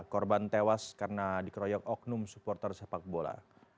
korban tewas karena dikeroyok oknum supporter sepak bola